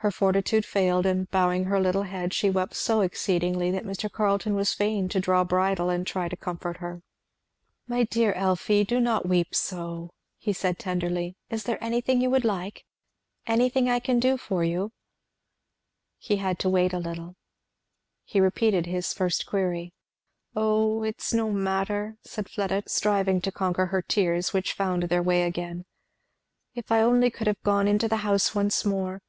Her fortitude failed, and bowing her little head she wept so exceedingly that Mr. Carleton was fain to draw bridle and try to comfort her. "My dear Elfie! do not weep so," he said tenderly. "Is there anything you would like? Can I do anything for you?" He had to wait a little. He repeated his first query. "O it's no matter," said Fleda, striving to conquer her tears, which found their way again, "if I only could have gone into the house once more!